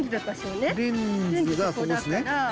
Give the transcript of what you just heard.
レンズがここですね。